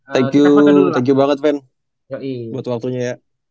thank you thank you banget van buat waktunya ya